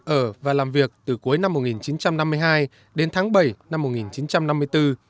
ở và làm việc từ cuối năm một nghìn chín trăm năm mươi hai đến tháng bảy năm một nghìn chín trăm năm mươi bốn